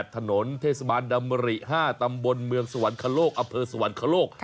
ถนนเทศบาลดำริ๕ตำบลเมืองสวรรคโลกอำเภอสวรรคโลก